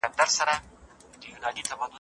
يوسف عليه السلام څاه ته غورځول کيږي.